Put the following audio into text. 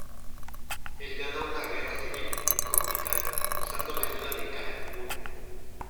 Él ganó una guerra civil con Tikal usando la ayuda de Calakmul.